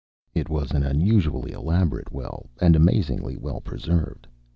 It was an unusually elaborate well, and amazingly well preserved.